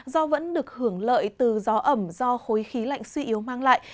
do vẫn được hưởng lợi từ gió ẩm do khối khí lạnh suy yếu mang lại